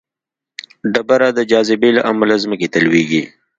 ډبره د جاذبې له امله ځمکې ته لویږي.